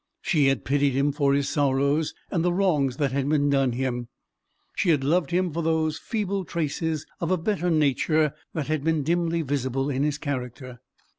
She had pitied him for his sorrows, and the wrongs that had been done him. She had loved him for those feeble traces of a better nature that had been dimly visible in his character.